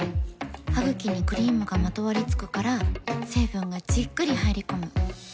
ハグキにクリームがまとわりつくから成分がじっくり入り込む。